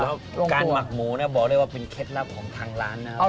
แล้วการหมักหมูเนี่ยบอกได้ว่าเป็นเคล็ดลับของทางร้านนะครับ